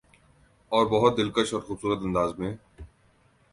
اور بہت دلکش اورخوبصورت انداز میں